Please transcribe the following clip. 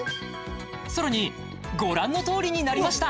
さらにご覧のとおりになりました